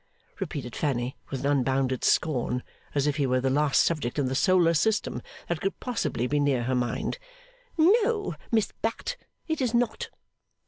repeated Fanny, with unbounded scorn, as if he were the last subject in the Solar system that could possibly be near her mind. 'No, Miss Bat, it is not.